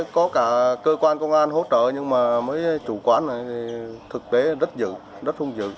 có cả cơ quan công an hỗ trợ nhưng mà mấy chủ quán này thực tế rất dự rất hung dự